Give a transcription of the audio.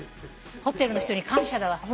ホテルの人に感謝だわ。